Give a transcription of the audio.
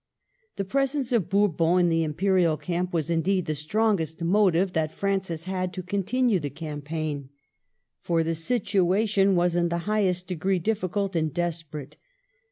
The presence of Bourbon in the Imperial camp was, indeed, the strongest motive that Francis had to continue the campaign ; for the situation was in the highest degree diffi cult and desperate.